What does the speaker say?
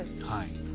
はい。